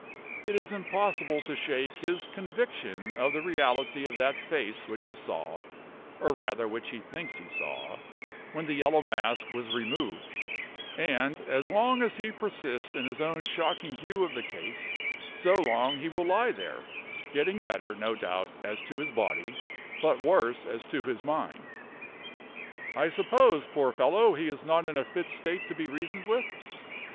It is impossible to shake his conviction of the reality of that face which he saw (or rather which he thinks he saw) when the yellow mask was removed; and, as long as he persists in his own shocking view of the case, so long he will lie there, getting better, no doubt, as to his body, but worse as to his mind." "I suppose, poor fellow, he is not in a fit state to be reasoned with?"